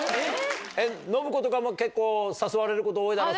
信子とかも結構誘われること多いだろ？